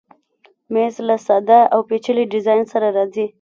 مېز له ساده او پیچلي ډیزاین سره راځي.